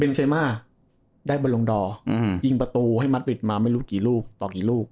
เซมาได้บรรลงดอร์ยิงประตูให้มัดปิดมาไม่รู้กี่ลูกต่อกี่ลูก